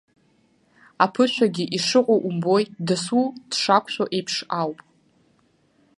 Аԥышәагьы, ишыҟоу умбои, дасу дшақәшәо еиԥш ауп.